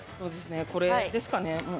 これですかねもう。